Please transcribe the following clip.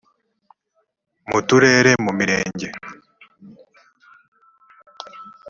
mu turere mu mirenge